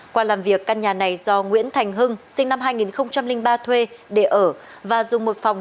qua làm việc căn nhà này do nguyễn thành hưng sinh năm hai nghìn ba thuê để ở và dùng một phòng